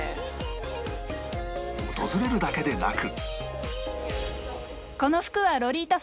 訪れるだけでなく